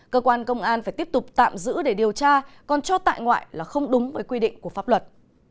cơ quan công an phải tiếp tục tạm giữ để điều tra còn cho tại ngoại là không đúng với quy định của pháp luật